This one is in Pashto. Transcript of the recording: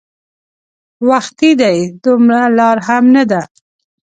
وختي دی دومره لار هم نه ده.